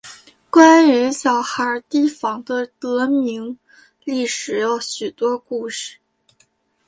关于小孩堤防的得名历史有许多故事。